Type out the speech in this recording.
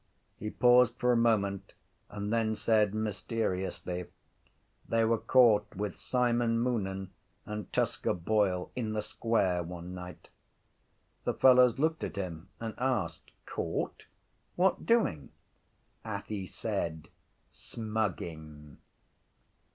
He paused for a moment and then said mysteriously: —They were caught with Simon Moonan and Tusker Boyle in the square one night. The fellows looked at him and asked: —Caught? —What doing? Athy said: —Smugging.